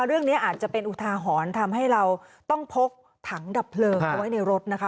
เรื่องนี้อาจจะเป็นอุทาหรณ์ทำให้เราต้องพกถังดับเพลิงเอาไว้ในรถนะคะ